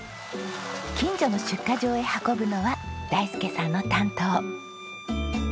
近所の出荷場へ運ぶのは大介さんの担当。